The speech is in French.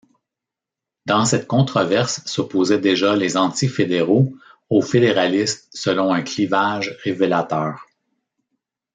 Dans cette controverse s'opposaient déjà les anti-fédéraux aux fédéralistes selon un clivage révélateur.